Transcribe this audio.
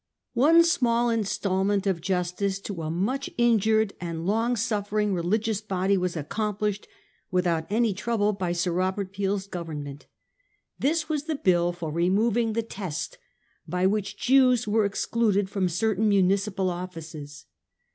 One small instalment of justice to a much injured and long suffering religious body was accomplished without any trouble by Sir Robert Peel's Govern ment. This was the bill for removing the test by which Jews were excluded from certain municipal offices.